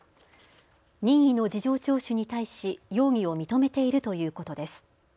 任意の事情聴取に対し容疑を認めているということです。